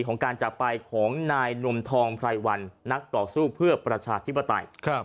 ของการจากไปของนายนวมทองไพรวันนักต่อสู้เพื่อประชาธิปไตย